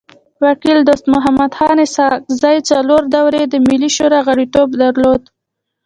وکيل دوست محمد خان اسحق زی څلور دوري د ملي شورا غړیتوب درلود.